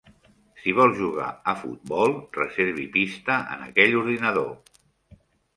Si vol jugar a futbol, reservi pista en aquell ordinador.